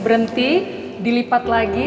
berhenti dilipat lagi